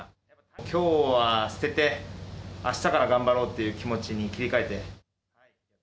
きょうは捨てて、あしたから頑張ろうという気持ちに切り替えて。